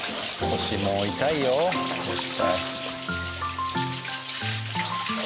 腰も痛いよ絶対。